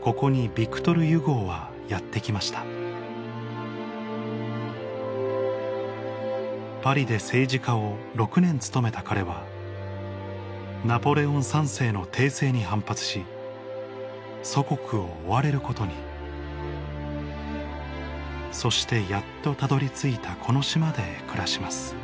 ここにヴィクトル・ユゴーはやって来ましたパリで政治家を６年務めた彼はナポレオン３世の帝政に反発し祖国を追われることにそしてやっとたどり着いたこの島で暮らします